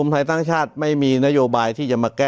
ไทยสร้างชาติไม่มีนโยบายที่จะมาแก้